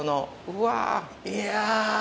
うわ。いや。